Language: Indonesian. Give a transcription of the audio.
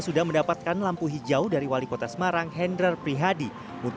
sekolah menyambut positif kabar tersebut